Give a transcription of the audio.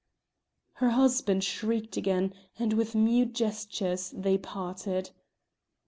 Her husband shrieked again, and with mute gestures they parted.